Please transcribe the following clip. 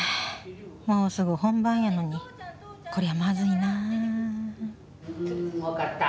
もうすぐ本番やのにこりゃまずいな「うん分かった。